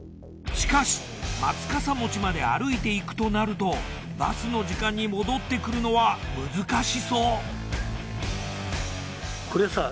しかしまつかさ餅まで歩いていくとなるとバスの時間に戻ってくるのは難しそう。